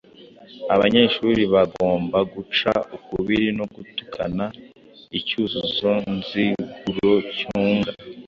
Abanyeshuri bagomba guca ukubiri no gutukana icyuzuzo nziguro cyunga